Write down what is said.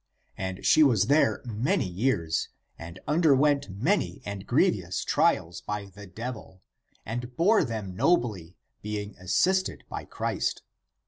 And she was there many years, and underwent many and grievous trials by the devil, and bore them nobly, being assisted by Christ.